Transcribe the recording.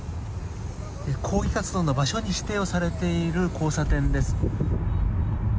抗議活動の場所に指定されている交差点です。